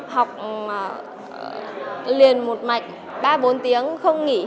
học liền một mạch ba bốn tiếng không nghỉ